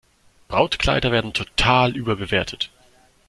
Brautkleider werden total überbewertet.